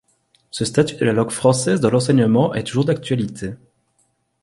Ce statut de la langue française dans l’enseignement est toujours d’actualité.